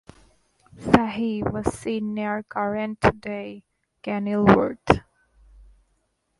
Fahy was seen near current day Kenilworth.